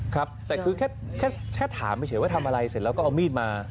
ครับแต่คือแค่ถามเฉยว่าทำอะไรเสร็จแล้วก็เอามีดมา